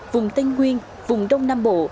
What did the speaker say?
vùng tây nguyên vùng đông nam bộ